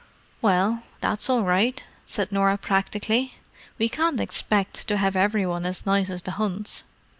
"Well, that's all right," said Norah practically. "We can't expect to have every one as nice as the Hunts.